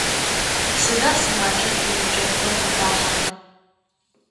Сыда сымаджэм иныбджэгъухэм къыфахьыгъэр?